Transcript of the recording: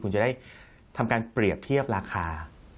คุณจะได้ทำการเปรียบเทียบราคา